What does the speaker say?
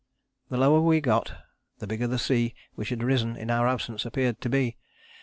"The lower we got the bigger the sea which had risen in our absence appeared to be.